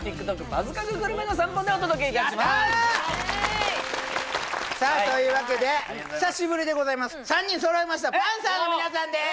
“バズ確”グルメの３本でお届けいたしますさあというわけで３人そろいましたパンサーの皆さんです